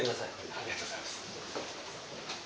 ありがとうございます。